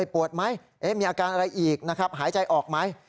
ปวดไหมมีอาการอะไรอีกนะครับหายใจออกไหม